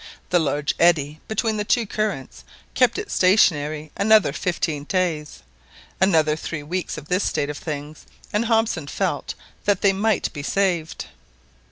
The large eddy between the two currents kept it stationary. Another fifteen days, another three weeks of this state of things, and Hobson felt that they might be saved.